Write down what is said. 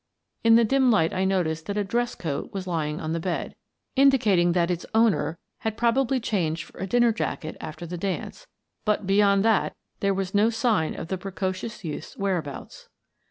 In the dim light I noticed that a dress coat was lying on the bed, indi cating that its owner had probably changed for a dinner jacket after the dance, but beyond that there was no sign of the precocious youth's whereabouts.